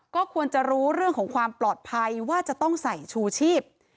ก็ควรจะรู้เรื่องของความปลอดภัยว่าจะต้องใส่ชูชีพ